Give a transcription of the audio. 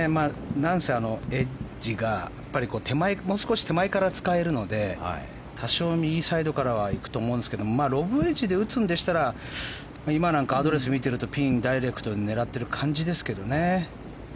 何せ、エッジがもう少し手前から使えるので多少、右サイドからは行くと思うんですけどロブウェッジで打つんでしたら今なんか、アドレスを見てるとピンをダイレクトで狙ってる感じですけどね。